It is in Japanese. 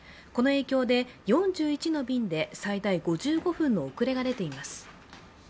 この影響で４１の便で最大５５分の遅れが出ています。